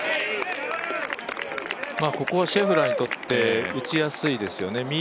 ここはシェフラーにとって打ちやすいですよね。